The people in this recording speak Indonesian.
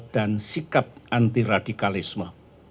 dan sikap anti radikalisme